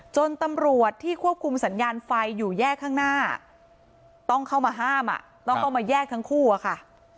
จนตำรวจที่ควบคุมสัญญาณไฟอยู่แยกข้างหน้าต้องเข้ามาห้ามอ่ะต้องเข้ามาแยกทั้งคู่อะค่ะ